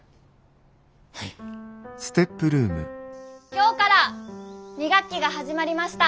今日から２学期が始まりました。